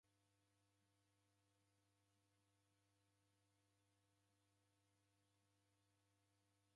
Mghongo ghw'apo ghw'asilwa kwasababu efua.